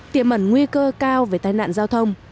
tiềm mẩn nguy cơ cao về tai nạn giao thông